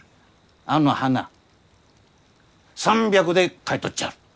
あの花３００で買い取っちゃる！